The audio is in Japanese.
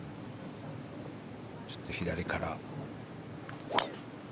ちょっと左から。